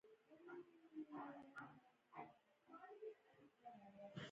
ازادي راډیو د اقلیتونه لپاره د خلکو غوښتنې وړاندې کړي.